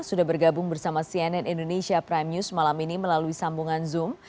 sudah bergabung bersama cnn indonesia prime news malam ini melalui sambungan zoom